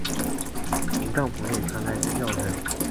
从帐篷内传来尖叫声